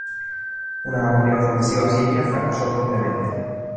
Una amplia ofensiva siria fracasó rápidamente.